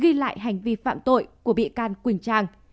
ghi lại hành vi phạm tội của bị can quỳnh trang